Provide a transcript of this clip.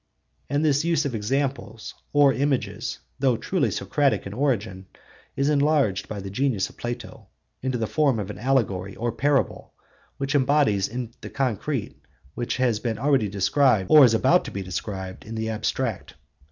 And this use of examples or images, though truly Socratic in origin, is enlarged by the genius of Plato into the form of an allegory or parable, which embodies in the concrete what has been already described, or is about to be described, in the abstract.